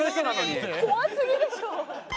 怖すぎでしょ。